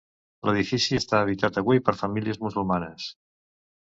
L'edifici està habitat avui per famílies musulmanes.